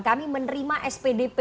kami menerima spdp